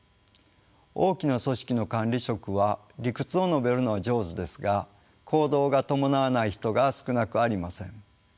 大きな組織の管理職は理屈を述べるのは上手ですが行動が伴わない人が少なくありません。